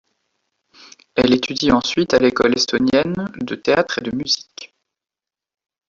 Elle étudie ensuite à l'École estonienne de théâtre et de musique.